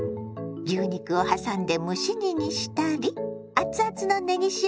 牛肉をはさんで蒸し煮にしたりアツアツのねぎ塩